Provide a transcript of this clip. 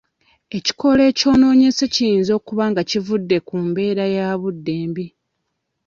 Ekikoola ekyonoonese kiyinza kuba nga kivudde ku mbeera ya budde mbi.